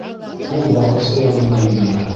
Ул баҡырсы янына йүнәлә.